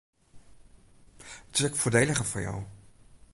It is ek foardeliger foar jo.